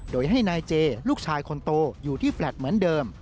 โดยให้นายเจลูกชายคนโตอยู่ที่แฟลต์เหมือนเดิม